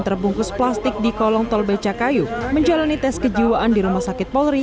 terbungkus plastik di kolong tol becakayu menjalani tes kejiwaan di rumah sakit polri